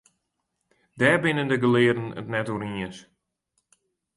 Dêr binne de gelearden it net oer iens.